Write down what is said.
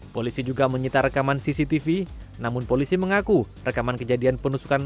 polisi juga menyita rekaman cctv namun polisi mengaku rekaman kejadian penusukan